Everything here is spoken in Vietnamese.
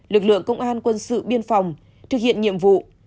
lực lượng công an quân sự biên phòng thực hiện nhiệm vụ